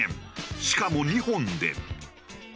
しかも２本で。